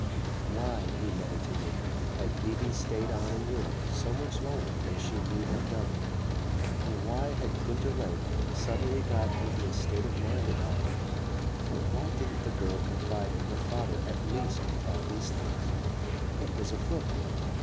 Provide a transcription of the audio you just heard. Why, he meditated, had V.V. stayed on in Europe so much longer than she need have done? And why had Gunter Lake suddenly got into a state of mind about her? Why didn't the girl confide in her father at least about these things? What was afoot?